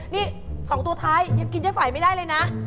นี่๒ตัวท้ายยังกินเจ๊ไฝไม่ได้เลยนะ